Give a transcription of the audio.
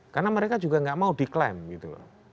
karena mereka juga enggak mau diklaim gitu